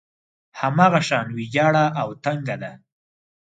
هماغه شان ويجاړه او تنګه ده.